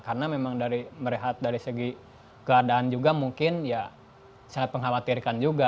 karena memang dari merehat dari segi keadaan juga mungkin ya sangat mengkhawatirkan juga